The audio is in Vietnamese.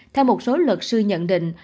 theo một số luật sư nhận định